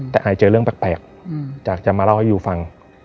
แต่ไอเจอเรื่องแปลกอยากจะมาเล่าให้ยูฟัง